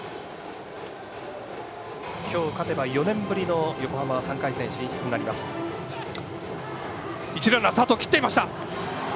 今日、勝てば４年ぶりの横浜は３回戦進出になります。